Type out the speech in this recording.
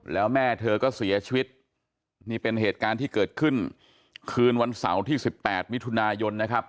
แล้วแม่เธอก็เสียชีวิตนี่เป็นเหตุการณ์ที่เกิดขึ้นคืนวันเสาร์ที่๑๘มิถุนายนนะครับ